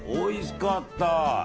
おいしかった。